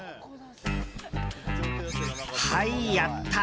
はい、やった。